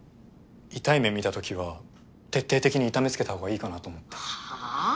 痛い目見た時は徹底的に痛めつけたほうがいいかなと思ってはぁ？